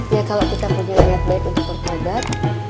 ya kalau kita punya renang baik untuk perkembangan